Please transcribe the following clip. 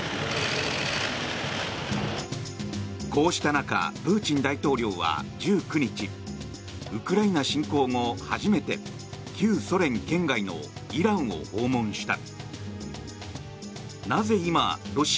こうした中、プーチン大統領は１９日ウクライナ侵攻後初めて旧ソ連圏外のイランを訪問した。